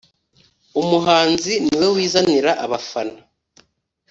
umuhanzi niwe wizanira abafana.